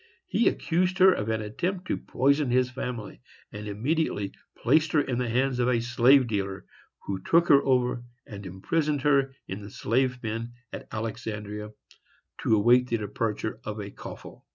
He accused her of an attempt to poison his family, and immediately placed her in the hands of a slave dealer, who took her over and imprisoned her in the slave pen at Alexandria, to await the departure of a coffle.